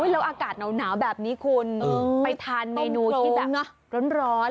แล้วอากาศหนาวแบบนี้คุณไปทานเมนูที่แบบร้อน